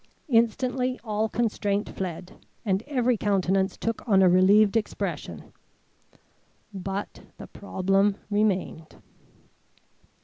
Instantly all constraint fled, and every countenance took on a relieved expression. _But the problem remained.